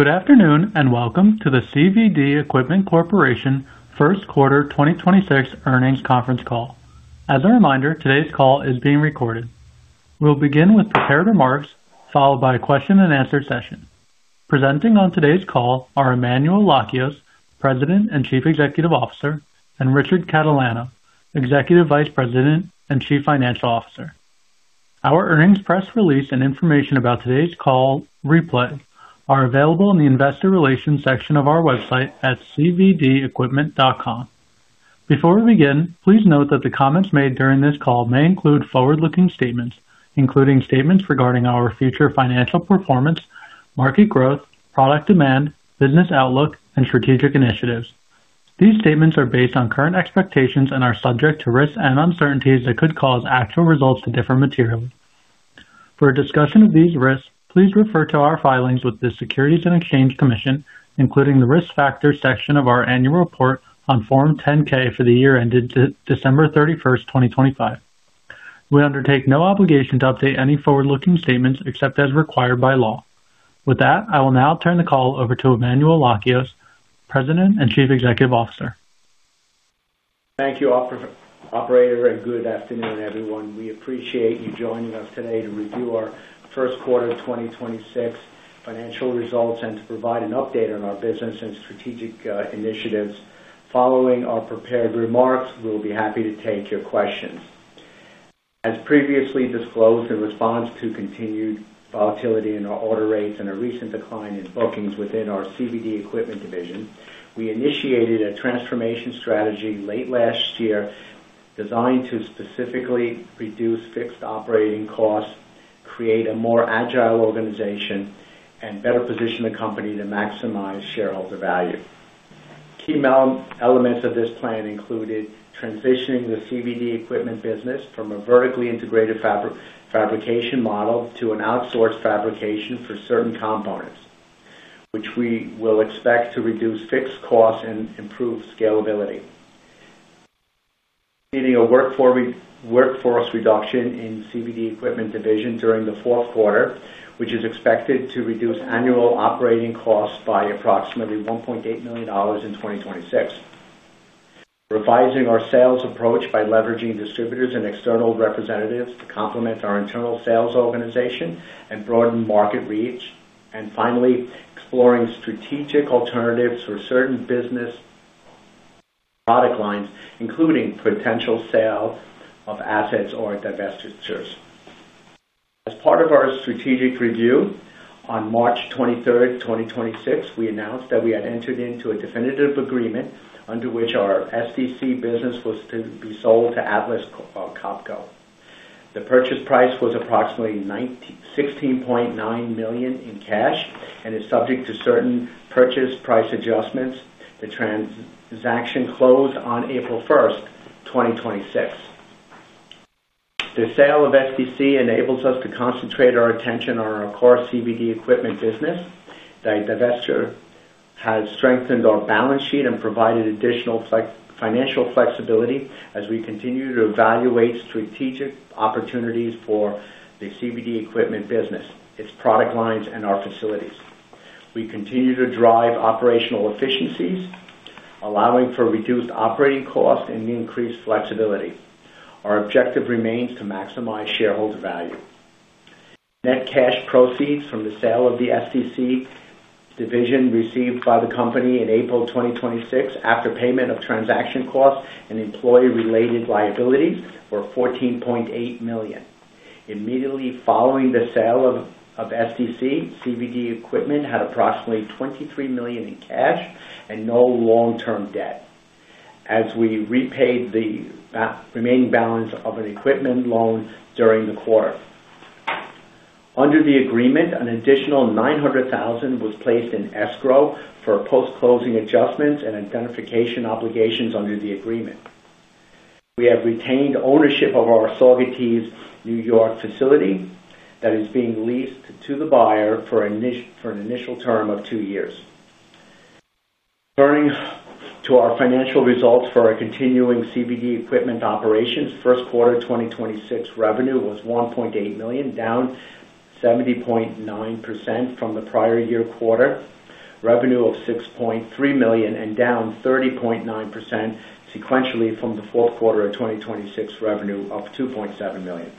Good afternoon, welcome to the CVD Equipment Corporation first quarter 2026 earnings conference call. As a reminder, today's call is being recorded. We'll begin with prepared remarks, followed by a question-and-answer session. Presenting on today's call are Emmanuel Lakios, President and Chief Executive Officer, and Richard Catalano, Executive Vice President and Chief Financial Officer. Our earnings press release and information about today's call replay are available in the investor relations section of our website at cvdequipment.com. Before we begin, please note that the comments made during this call may include forward-looking statements, including statements regarding our future financial performance, market growth, product demand, business outlook, and strategic initiatives. These statements are based on current expectations and are subject to risks and uncertainties that could cause actual results to differ materially. For a discussion of these risks, please refer to our filings with the Securities and Exchange Commission, including the Risk Factors section of our annual report on Form 10-K for the year ended December 31st, 2025. We undertake no obligation to update any forward-looking statements except as required by law. With that, I will now turn the call over to Emmanuel Lakios, President and Chief Executive Officer. Thank you, operator, and good afternoon, everyone. We appreciate you joining us today to review our first quarter 2026 financial results and to provide an update on our business and strategic initiatives. Following our prepared remarks, we'll be happy to take your questions. As previously disclosed, in response to continued volatility in our order rates and a recent decline in bookings within our CVD Equipment division, we initiated a transformation strategy late last year designed to specifically reduce fixed operating costs, create a more agile organization, and better position the company to maximize shareholder value. Key elements of this plan included transitioning the CVD Equipment business from a vertically integrated fabrication model to an outsourced fabrication for certain components, which we will expect to reduce fixed costs and improve scalability. Leading a workforce reduction in CVD Equipment division during the fourth quarter, which is expected to reduce annual operating costs by approximately $1.8 million in 2026. Revising our sales approach by leveraging distributors and external representatives to complement our internal sales organization and broaden market reach. Finally, exploring strategic alternatives for certain business product lines, including potential sale of assets or divestitures. As part of our strategic review, on March 23, 2026, we announced that we had entered into a definitive agreement under which our SDC business was to be sold to Atlas Copco. The purchase price was approximately $16.9 million in cash and is subject to certain purchase price adjustments. The transaction closed on April 1st, 2026. The sale of SDC enables us to concentrate our attention on our core CVD Equipment business. The divesture has strengthened our balance sheet and provided additional financial flexibility as we continue to evaluate strategic opportunities for the CVD Equipment business, its product lines and our facilities. We continue to drive operational efficiencies, allowing for reduced operating costs and increased flexibility. Our objective remains to maximize shareholder value. Net cash proceeds from the sale of the SDC division received by the company in April 2026 after payment of transaction costs and employee-related liabilities were $14.8 million. Immediately following the sale of SDC, CVD Equipment had approximately $23 million in cash and no long-term debt as we repaid the remaining balance of an equipment loan during the quarter. Under the agreement, an additional $900,000 was placed in escrow for post-closing adjustments and indemnification obligations under the agreement. We have retained ownership of our Saugerties, New York facility that is being leased to the buyer for an initial term of two years. Turning to our financial results for our continuing CVD Equipment operations, first quarter 2026 revenue was $1.8 million, down 70.9% from the prior year quarter revenue of $6.3 million and down 30.9% sequentially from the fourth quarter of 2026 revenue of $2.7 million.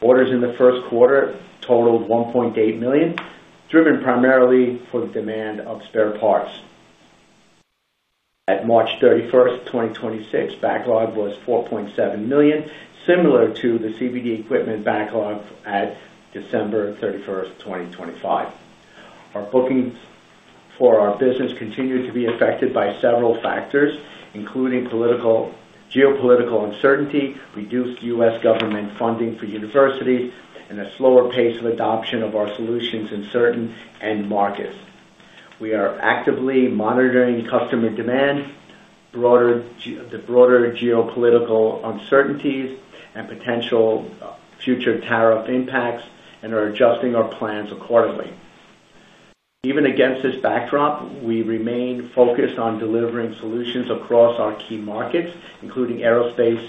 Orders in the first quarter totaled $1.8 million, driven primarily for the demand of spare parts. At March 31, 2026, backlog was $4.7 million, similar to the CVD Equipment backlog at December 31, 2025. Our bookings for our business continued to be affected by several factors, including geopolitical uncertainty, reduced U.S. government funding for universities, and a slower pace of adoption of our solutions in certain end markets. We are actively monitoring customer demand, the broader geopolitical uncertainties and potential future tariff impacts, and are adjusting our plans accordingly. Even against this backdrop, we remain focused on delivering solutions across our key markets, including aerospace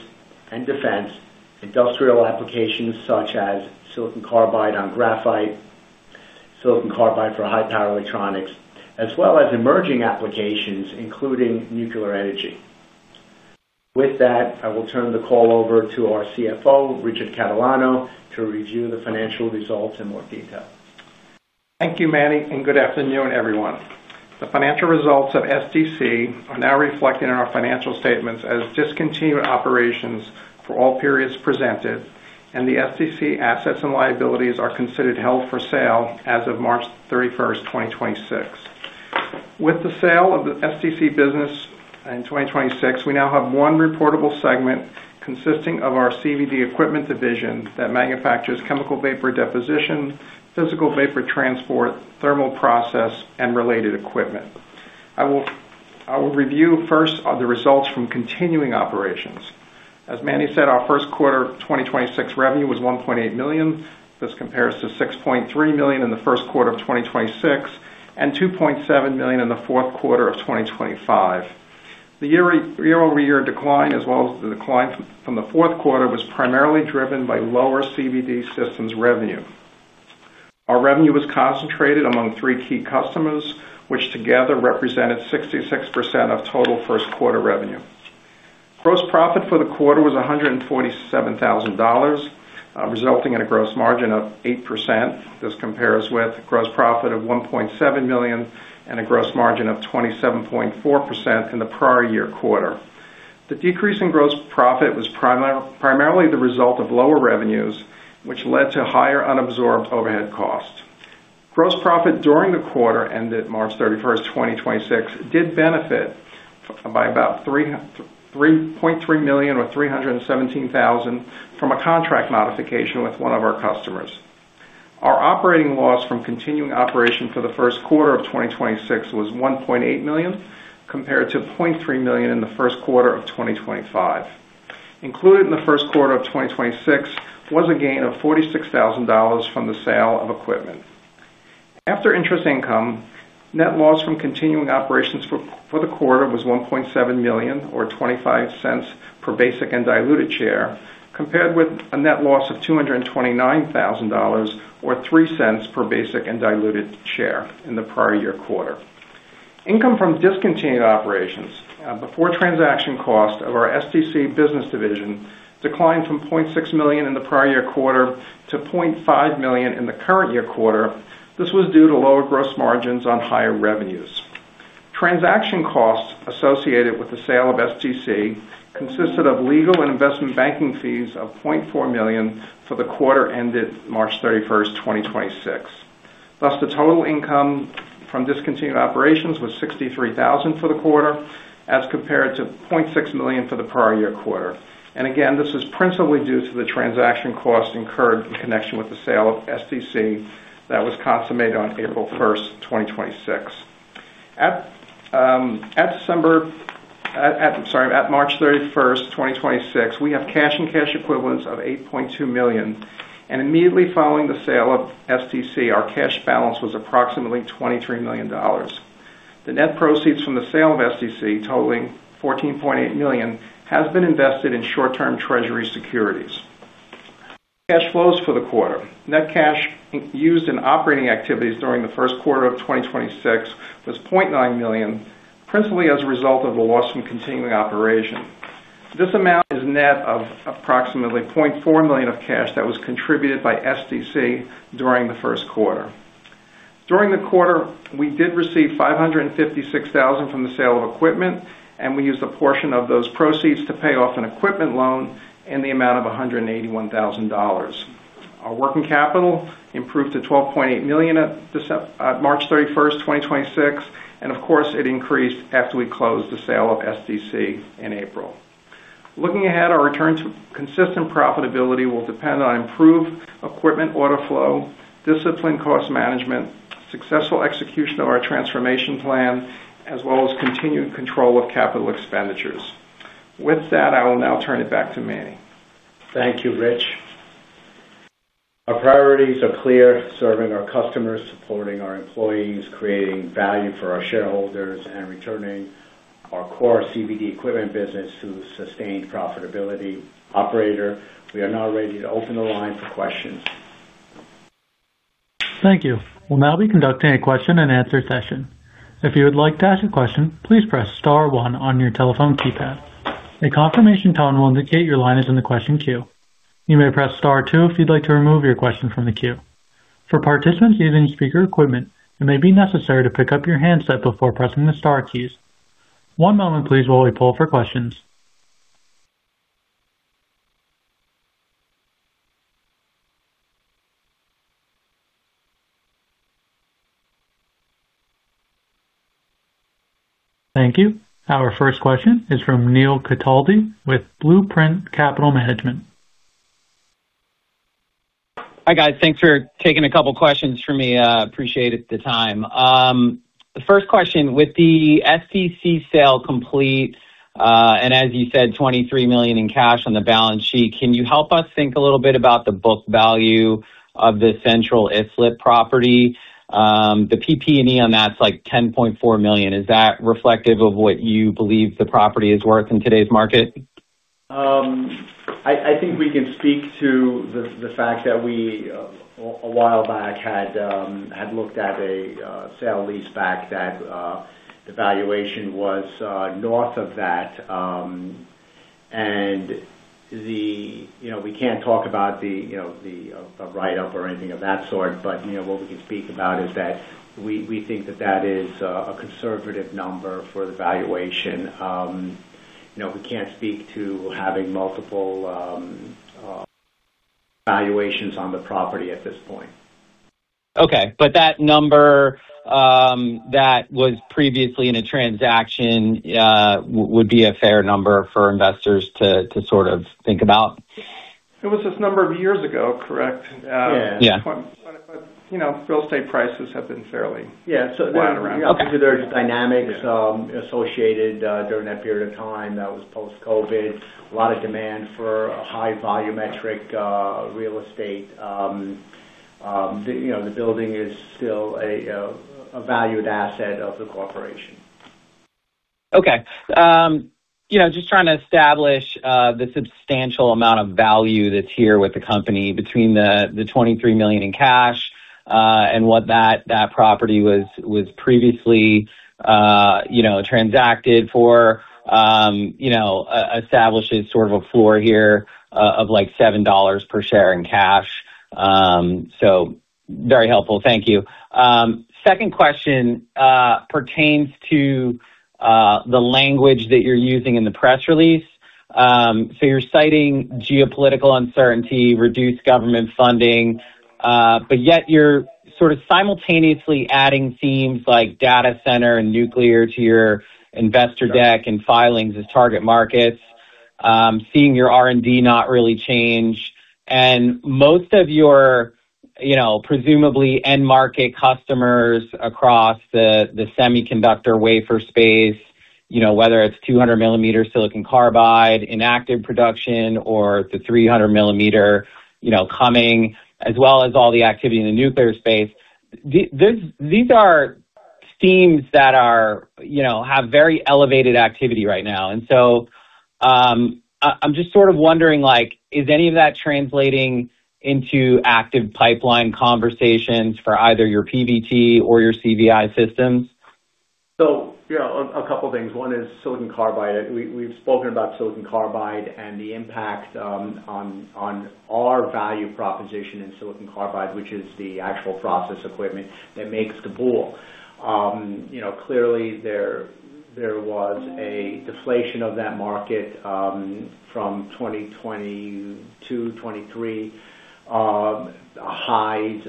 and defense, industrial applications such as silicon carbide on graphite, silicon carbide for high-power electronics, as well as emerging applications, including nuclear energy. With that, I will turn the call over to our CFO, Richard Catalano, to review the financial results in more detail. Thank you, Manny, and good afternoon, everyone. The financial results of SDC are now reflected in our financial statements as discontinued operations for all periods presented, and the SDC assets and liabilities are considered held for sale as of March 31st, 2026. With the sale of the SDC business in 2026, we now have one reportable segment consisting of our CVD Equipment division that manufactures chemical vapor deposition, physical vapor transport, thermal process, and related equipment. I will review first of the results from continuing operations. As Manny said, our first quarter of 2026 revenue was $1.8 million. This compares to $6.3 million in the first quarter of 2026 and $2.7 million in the fourth quarter of 2025. The year-over-year decline as well as the decline from the fourth quarter was primarily driven by lower CVD systems revenue. Our revenue was concentrated among three key customers, which together represented 66% of total first quarter revenue. Gross profit for the quarter was $147,000, resulting in a gross margin of 8%. This compares with gross profit of $1.7 million and a gross margin of 27.4% in the prior year quarter. The decrease in gross profit was primarily the result of lower revenues, which led to higher unabsorbed overhead costs. Gross profit during the quarter ended March 31, 2026, did benefit by about $3.3 million or $317,000 from a contract modification with one of our customers. Our operating loss from continuing operation for the first quarter of 2026 was $1.8 million, compared to $0.3 million in the first quarter of 2025. Included in the first quarter of 2026 was a gain of $46,000 from the sale of equipment. After interest income, net loss from continuing operations for the quarter was $1.7 million or $0.25 per basic and diluted share, compared with a net loss of $229,000 or $0.03 per basic and diluted share in the prior year quarter. Income from discontinued operations before transaction cost of our SDC business division declined from $0.6 million in the prior year quarter to $0.5 million in the current year quarter. This was due to lower gross margins on higher revenues. Transaction costs associated with the sale of SDC consisted of legal and investment banking fees of $0.4 million for the quarter ended March 31st, 2026. Thus, the total income from discontinued operations was $63,000 for the quarter as compared to $0.6 million for the prior year quarter. Again, this is principally due to the transaction costs incurred in connection with the sale of SDC that was consummated on April 1st, 2026. At March 31st, 2026, we have cash and cash equivalents of $8.2 million, and immediately following the sale of SDC, our cash balance was approximately $23 million. The net proceeds from the sale of SDC, totaling $14.8 million, has been invested in short-term Treasury securities. Cash flows for the quarter. Net cash, used in operating activities during the first quarter of 2026 was $0.9 million, principally as a result of a loss from continuing operation. This amount is net of approximately $0.4 million of cash that was contributed by SDC during the first quarter. During the quarter, we did receive $556,000 from the sale of equipment, and we used a portion of those proceeds to pay off an equipment loan in the amount of $181,000. Our working capital improved to $12.8 million at March 31st, 2026, and of course, it increased after we closed the sale of SDC in April. Looking ahead, our return to consistent profitability will depend on improved equipment order flow, disciplined cost management, successful execution of our transformation plan, as well as continued control of capital expenditures. With that, I will now turn it back to Manny. Thank you, Rich. Our priorities are clear: serving our customers, supporting our employees, creating value for our shareholders, and returning our core CVD equipment business to sustained profitability. Operator, we are now ready to open the line for questions. Thank you. We'll now be conducting a question and answer session. If you would like to ask a question, please press star one on your telephone keypad. A confirmation tone will indicate your line is in the question queue. You may press star two if you'd like to remove your question from the queue. For participants using speaker equipment, it may be necessary to pick up your handset before pressing the star keys. One moment please while we poll for questions. Thank you. Our first question is from Neil Cataldi with Blueprint Capital Management. Hi, guys. Thanks for taking a couple questions for me. Appreciate it, the time. The first question: With the SDC sale complete, and as you said, $23 million in cash on the balance sheet, can you help us think a little bit about the book value of the Central Islip property? The PP&E on that's like $10.4 million. Is that reflective of what you believe the property is worth in today's market? I think we can speak to the fact that we a while back had looked at a sale leaseback that the valuation was north of that. You know, we can't talk about the, you know, the write-up or anything of that sort, but, you know, what we can speak about is that we think that that is a conservative number for the valuation. You know, we can't speak to having multiple valuations on the property at this point. Okay. That number, that was previously in a transaction, would be a fair number for investors to sort of think about? It was just a number of years ago, correct? Yeah. Yeah. you know, real estate prices have been. Yeah. flat around. Okay. There's dynamics associated during that period of time. That was post-COVID. A lot of demand for high volumetric real estate. You know, the building is still a valued asset of the corporation. Okay. You know, just trying to establish the substantial amount of value that's here with the company between the $23 million in cash and what that property was previously, you know, transacted for, you know, establishes sort of a floor here of like $7 per share in cash. Very helpful. Thank you. Second question pertains to the language that you're using in the press release. You're citing geopolitical uncertainty, reduced government funding, but yet you're sort of simultaneously adding themes like data center and nuclear to your investor deck and filings as target markets, seeing your R&D not really change. Most of your, you know, presumably end market customers across the semiconductor wafer space, you know, whether it's 200 millimeter silicon carbide in active production or the 300 millimeter, you know, coming, as well as all the activity in the nuclear space. These are themes that are, you know, have very elevated activity right now. I'm just sort of wondering, like, is any of that translating into active pipeline conversations for either your PVT or your CVI systems? You know, a couple of things. One is silicon carbide. We've spoken about silicon carbide and the impact on our value proposition in silicon carbide, which is the actual process equipment that makes the boule. You know, clearly, there was a deflation of that market from 2022, 2023 highs.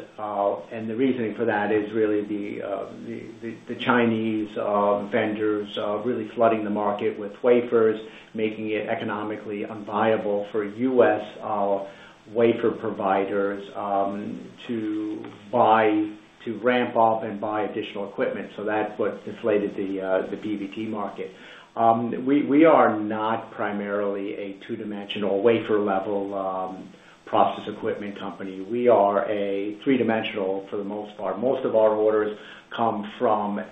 The reasoning for that is really the Chinese vendors really flooding the market with wafers, making it economically unviable for U.S. wafer providers to ramp up and buy additional equipment. That's what deflated the PVT market. We are not primarily a two-dimensional wafer level process equipment company. We are a three-dimensional for the most part. Most of our orders come from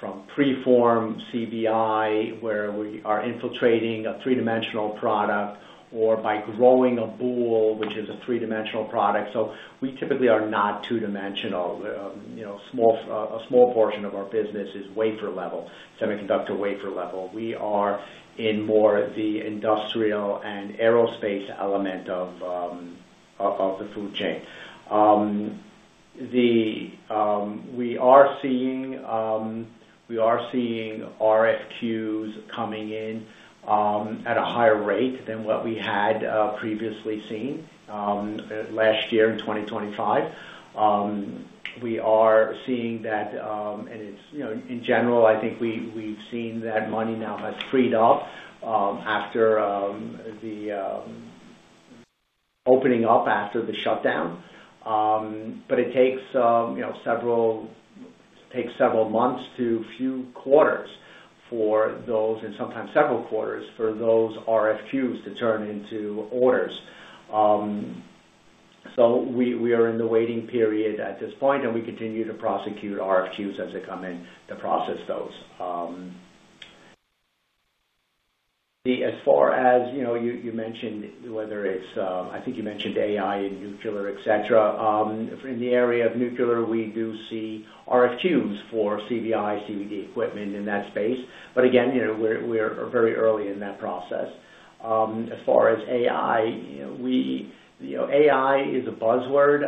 from pre-form CVI, where we are infiltrating a three-dimensional product or by growing a boule, which is a three-dimensional product. We typically are not two-dimensional. You know, a small portion of our business is wafer level, semiconductor wafer level. We are in more the industrial and aerospace element of the food chain. We are seeing RFQs coming in at a higher rate than what we had previously seen last year in 2025. We are seeing that, and it's You know, in general, I think we've seen that money now has freed up after the opening up after the shutdown. It takes, you know, several months to a few quarters for those, and sometimes several quarters, for those RFQs to turn into orders. We are in the waiting period at this point, and we continue to prosecute RFQs as they come in to process those. As far as, you know, you mentioned whether it's, I think you mentioned AI and nuclear, et cetera. In the area of nuclear, we do see RFQs for CVI, CVD equipment in that space. Again, you know, we're very early in that process. As far as AI, you know, You know, AI is a buzzword.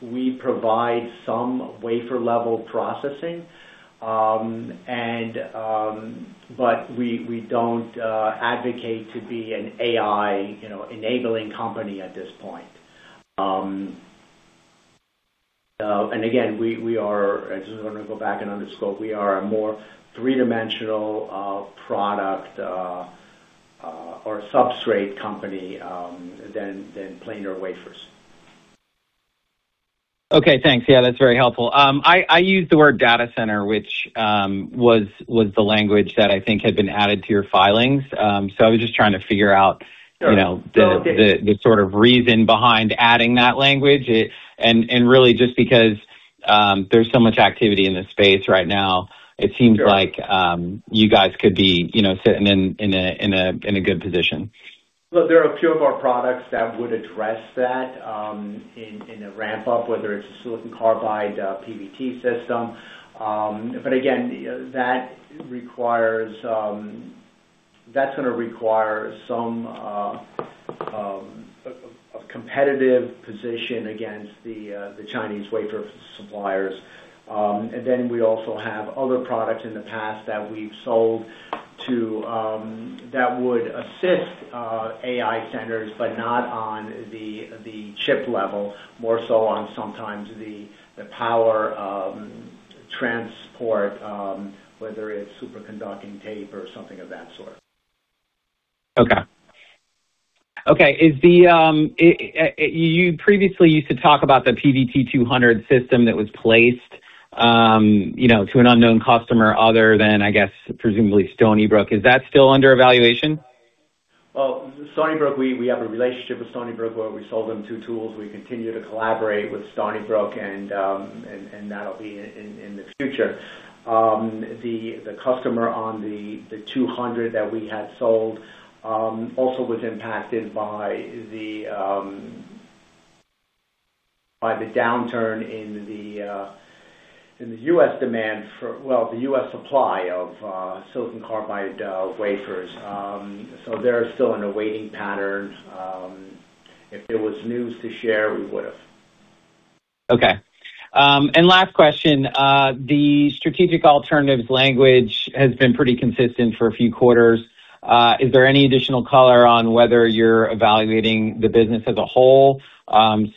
We provide some wafer-level processing, we don't advocate to be an AI, you know, enabling company at this point. Again, we are I just want to go back and underscore, we are a more three-dimensional product or substrate company than planar wafers. Okay, thanks. Yeah, that's very helpful. I used the word data center, which was the language that I think had been added to your filings. Sure. You know. So- The sort of reason behind adding that language. Really just because there's so much activity in this space right now. It seems like, you guys could be, you know, sitting in a good position. Look, there are a few of our products that would address that, in a ramp-up, whether it's a silicon carbide PVT system. Again, that's gonna require some competitive position against the Chinese wafer suppliers. We also have other products in the past that we've sold to that would assist AI centers, but not on the chip level, more so on sometimes the power transport, whether it's superconducting tape or something of that sort. Okay. Is the, you previously used to talk about the PVT200 system that was placed, you know, to an unknown customer other than, I guess, presumably Stony Brook. Is that still under evaluation? Well, Stony Brook, we have a relationship with Stony Brook, where we sold them two tools. We continue to collaborate with Stony Brook and that'll be in the future. The customer on the 200 that we had sold also was impacted by the downturn in the U.S. supply of silicon carbide wafers. They're still in a waiting pattern. If there was news to share, we would have. Okay. Last question. The strategic alternatives language has been pretty consistent for a few quarters. Is there any additional color on whether you're evaluating the business as a whole,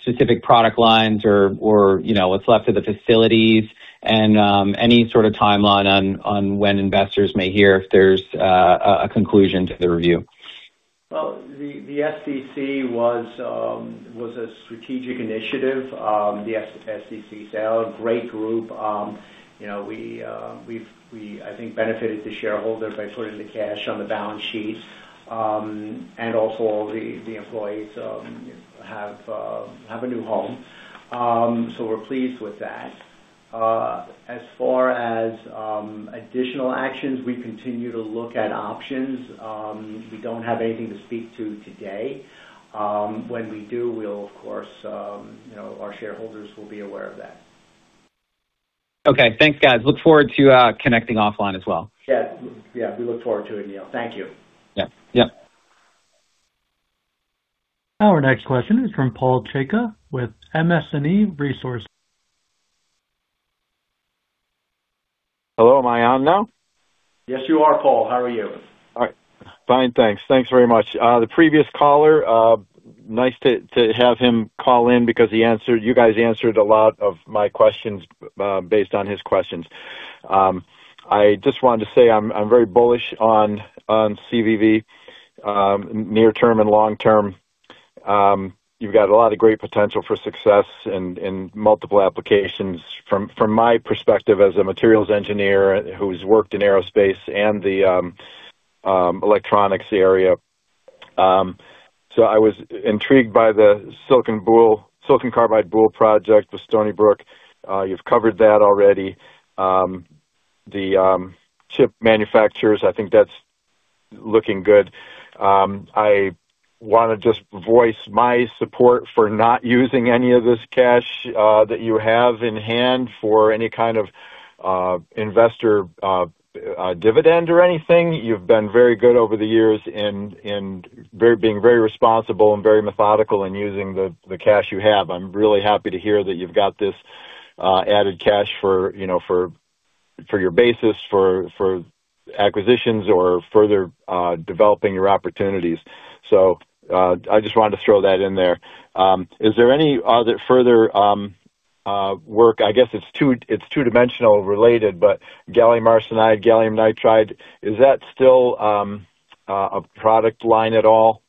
specific product lines or, you know, what's left of the facilities and, any sort of timeline on when investors may hear if there's a conclusion to the review? Well, the SDC was a strategic initiative. The SDC sale, great group. You know, we, I think benefited the shareholders by putting the cash on the balance sheet. Also the employees have a new home. We're pleased with that. As far as additional actions, we continue to look at options. We don't have anything to speak to today. When we do, we'll of course, you know, our shareholders will be aware of that. Okay. Thanks, guys. Look forward to connecting offline as well. Yeah. Yeah, we look forward to it, Neil. Thank you. Yeah. Yeah. Our next question is from Paul Tcheka with MS&E Resource. Hello, am I on now? Yes, you are, Paul. How are you? All right. Fine, thanks. Thanks very much. The previous caller, nice to have him call in because you guys answered a lot of my questions based on his questions. I just wanted to say I'm very bullish on CVV near term and long term. You've got a lot of great potential for success in multiple applications from my perspective as a materials engineer who's worked in aerospace and the electronics area. I was intrigued by the silicon carbide boule project with Stony Brook. You've covered that already. The chip manufacturers, I think that's looking good. I wanna just voice my support for not using any of this cash that you have in hand for any kind of investor dividend or anything. You've been very good over the years being very responsible and very methodical in using the cash you have. I'm really happy to hear that you've got this added cash for, you know, for your basis, for acquisitions or further developing your opportunities. I just wanted to throw that in there. Is there any other further work? I guess it's two-dimensional related, but gallium arsenide, gallium nitride, is that still a product line at all?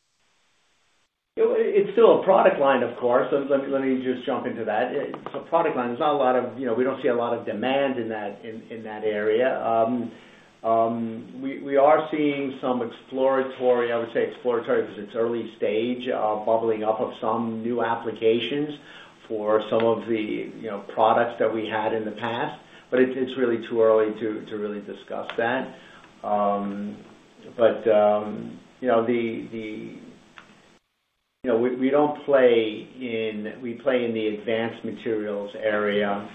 It's still a product line, of course. Let me just jump into that. Product line, there's not a lot of, you know, we don't see a lot of demand in that area. We are seeing some exploratory, I would say exploratory because it's early stage, bubbling up of some new applications for some of the, you know, products that we had in the past. It's really too early to really discuss that. You know, we play in the advanced materials area,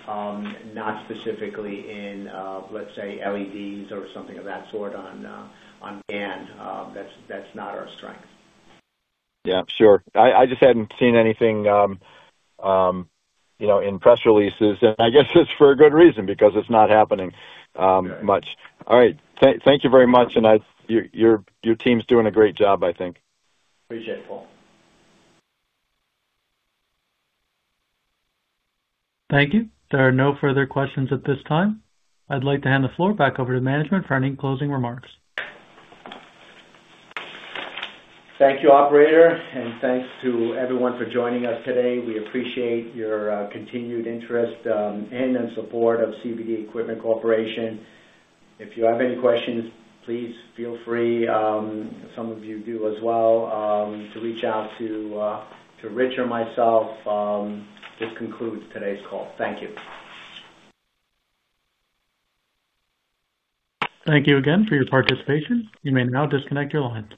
not specifically in, let's say LEDs or something of that sort on GaN. That's not our strength. Yeah, sure. I just hadn't seen anything, you know, in press releases, and I guess it's for a good reason because it's not happening, much. All right. thank you very much. Your team's doing a great job, I think. Appreciate it, Paul. Thank you. There are no further questions at this time. I'd like to hand the floor back over to management for any closing remarks. Thank you, operator, and thanks to everyone for joining us today. We appreciate your continued interest and in support of CVD Equipment Corporation. If you have any questions, please feel free, some of you do as well, to reach out to Rich or myself. This concludes today's call. Thank you. Thank you again for your participation. You may now disconnect your lines.